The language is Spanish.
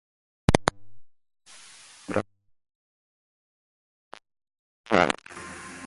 James nació en Bradford, West Yorkshire.